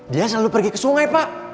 dia selalu pergi ke sungai pak